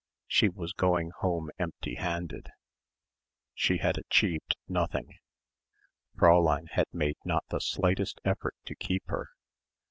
She was going home empty handed. She had achieved nothing. Fräulein had made not the slightest effort to keep her.